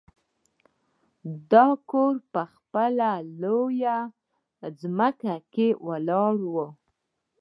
دا کور په خپله لویه ځمکه کې ولاړ و